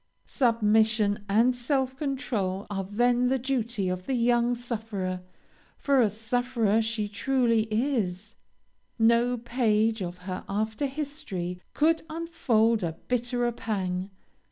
"Submission and self control are then the duty of the young sufferer for a sufferer she truly is; no page of her after history could unfold a bitterer pang.